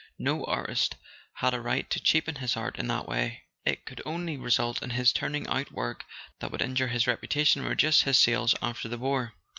No artist had a right to cheapen his art in that way: it could only result in his turning out work that would injure his reputation and reduce his sales after the war.